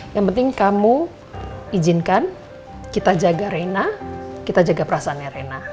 yang penting kamu izinkan kita jaga reina kita jaga perasaannya rena